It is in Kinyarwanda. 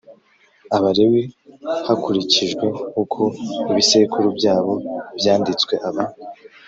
Abalewi hakurikijwe uko ibisekuru byabo byanditswe Aba